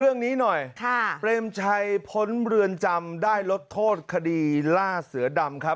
เรื่องนี้หน่อยค่ะเปรมชัยพ้นเรือนจำได้ลดโทษคดีล่าเสือดำครับ